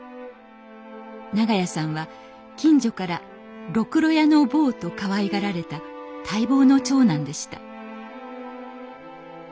長屋さんは近所から「ろくろ屋の坊」とかわいがられた待望の長男でした